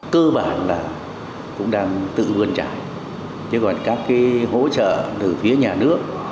cơ bản là cũng đang tự vươn trải chứ còn các hỗ trợ từ phía nhà nước